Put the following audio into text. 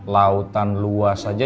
lautan luas aja